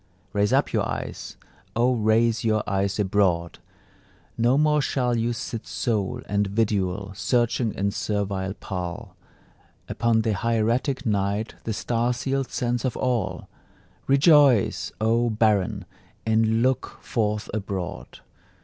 Raise up your eyes, O raise your eyes abroad! No more shall you sit sole and vidual, Searching, in servile pall, Upon the hieratic night the star sealed sense of all: Rejoice, O barren, and look forth abroad!